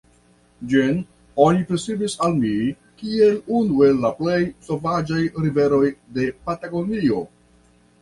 Ĝin oni priskribis al mi kiel unu el la plej sovaĝaj riveroj de Patagonio.